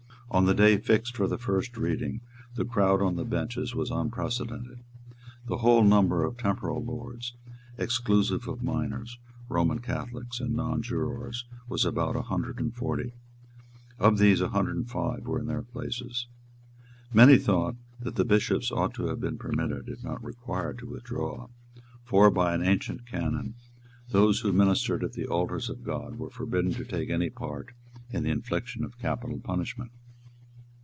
On the day fixed for the first reading, the crowd on the benches was unprecedented. The whole number of temporal Lords, exclusive of minors, Roman Catholics and nonjurors, was about a hundred and forty. Of these a hundred and five were in their places. Many thought that the Bishops ought to have been permitted, if not required, to withdraw; for, by an ancient canon, those who ministered at the altars of God were forbidden to take any part in the infliction of capital punishment.